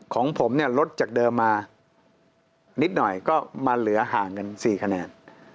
ของผมลดจากเดิมมานิดหน่อยก็มาเหลือห่างกัน๔ขนาด